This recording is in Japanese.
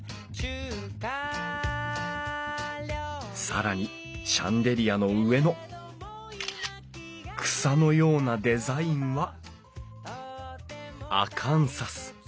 更にシャンデリアの上の草のようなデザインはアカンサス。